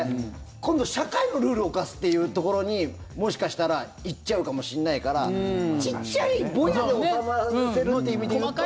今度、社会のルールを犯すっていうところにもしかしたら行っちゃうかもしれないからちっちゃいぼやで収まらせるという意味で言うと。